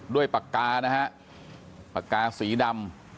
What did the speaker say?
ปากกานะฮะปากกาสีดำ